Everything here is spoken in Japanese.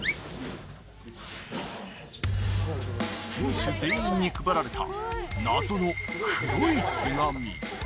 選手全員に配られた謎の黒い手紙。